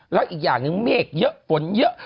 แล้วอีกอย่างหนึ่งเมฆเยอะฝนเยอะ